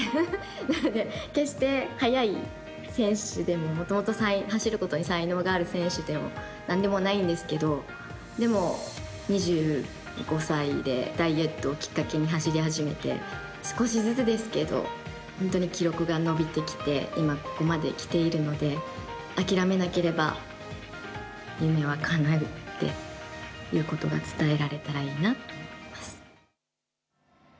なので決して速い選手でももともと走ることに才能がある選手でもないんですけど、でも２５歳でダイエットをきっかけに走り始めて少しずつですけど記録が伸びてきて今、ここまできているので諦めなければ夢はかなうっていうことが伝えられたらいいなって思います。